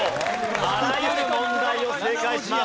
あらゆる問題を正解します。